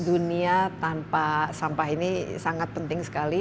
dunia tanpa sampah ini sangat penting sekali